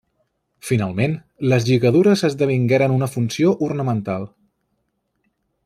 Finalment, les lligadures esdevingueren una funció ornamental.